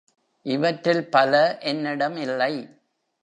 இவற்றில் பல என்னிடம் இல்லை.